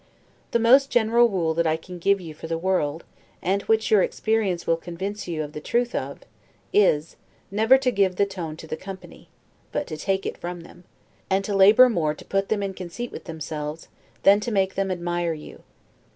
The most general rule that I can give you for the world, and which your experience will convince you of the truth of, is, Never to give the tone to the company, but to take it from them; and to labor more to put them in conceit with themselves, than to make them admire you.